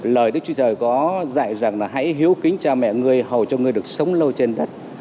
lời đức chúa trời có dạy rằng là hãy hiếu kính cha mẹ người hầu cho người được sống lâu trên đất